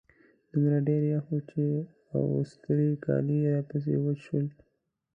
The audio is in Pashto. دومره ډېر يخ و چې اغوستي کالي راپسې وچ شول.